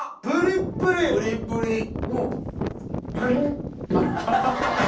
プリップリ！